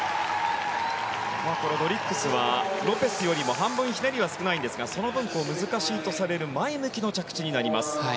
このドリッグスはロペスよりも半分ひねりは少ないんですがその分、難しいとされる前向きの着地になります。